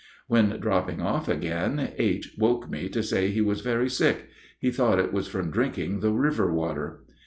When dropping off again, H. woke me to say he was very sick; he thought it was from drinking the river water.